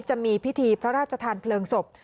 จะมีพิธีพระราชทานเพลิงศพ